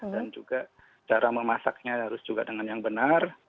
dan juga cara memasaknya harus juga dengan yang benar